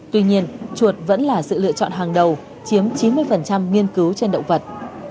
tuy nhiên chuột vẫn là sự lựa chọn hàng đầu chiếm chín mươi nghiên cứu trên động vật